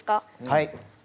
はい。